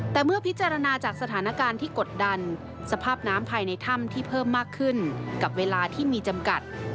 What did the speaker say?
แต่เมื่อพิจารณาจากสถานการณ์ที่กดดันสภาพน้ำภายในถ้ำที่เพิ่มมากขึ้นกับเวลาที่มีจำกัด